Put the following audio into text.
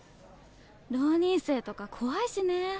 浪人生とか怖いしね。